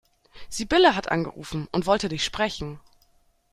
Sibylle hat angerufen und wollte dich sprechen.